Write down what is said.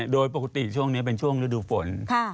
โดยปกติช่วงนี้เป็นช่วงฤดูฝน